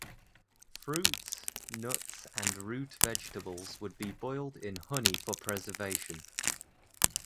Fruits, nuts and root vegetables would be boiled in honey for preservation.